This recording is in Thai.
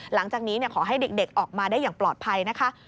หลังจากนี้ขอให้เด็กออกมาได้อย่างปลอดภัยนะคะ